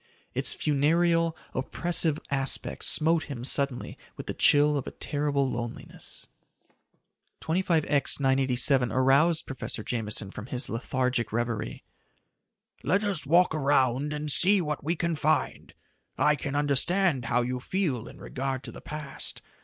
Its funereal, oppressive aspect smote him suddenly with the chill of a terrible loneliness. 25X 987 aroused Professor Jameson from his lethargic reverie. "Let us walk around and see what we can find. I can understand how you feel in regard to the past.